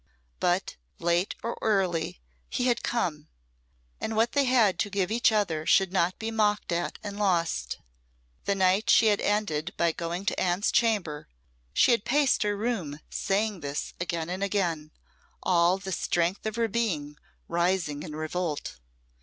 But, late or early, he had come; and what they had to give each other should not be mocked at and lost. The night she had ended by going to Anne's chamber, she had paced her room saying this again and again, all the strength of her being rising in revolt.